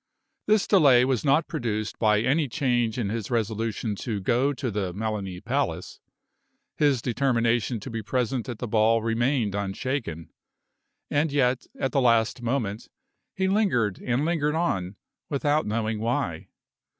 This delay was not produced by any change in his resolution to go to the Melani Palace. His determination to be present at the ball remained unshaken; and yet, at the last moment, he lingered and lingered on, without knowing why.